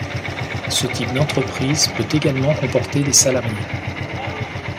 Ce type d'entreprise peut également comporter des salariés.